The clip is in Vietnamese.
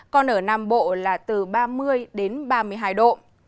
còn ở nam bộ là từ ba mươi đến ba mươi hai độ